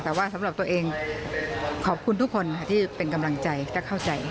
แต่ว่าสำหรับตัวเองขอบคุณทุกคนค่ะที่เป็นกำลังใจและเข้าใจ